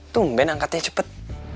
tungguin angkatnya cepet